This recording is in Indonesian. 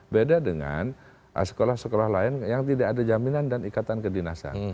beda dengan sekolah sekolah lain yang tidak ada jaminan dan ikatan kedinasan